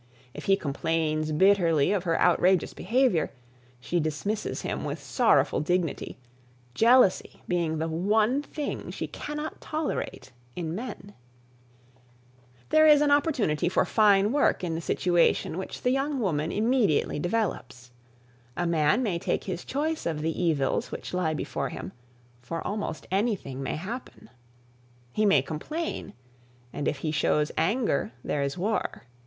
If he complains bitterly of her outrageous behaviour, she dismisses him with sorrowful dignity, jealousy being the one thing she cannot tolerate in men. [Sidenote: Opportunity for Fine Work] There is opportunity for fine work in the situation which the young woman immediately develops. A man may take his choice of the evils which lie before him, for almost anything may happen. He may complain, and if he shows anger, there is war.